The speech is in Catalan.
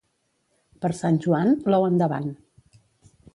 Per Sant Joan, l'ou endavant.